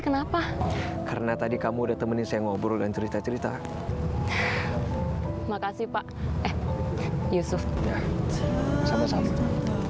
kenapa karena tadi kamu udah temennya ngobrol dan cerita cerita makasih pak yusuf sama sama